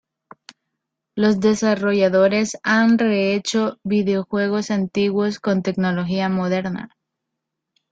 Los desarrolladores han rehecho videojuegos antiguos con tecnología moderna.